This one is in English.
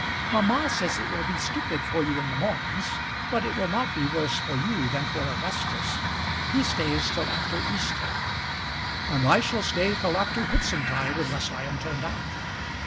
"Mamma says it will be stupid for you in the mornings, but it will not be worse for you than for Augustus. He stays till after Easter." "And I shall stay till after Whitsuntide unless I am turned out."